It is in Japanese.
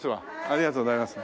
ありがとうございます。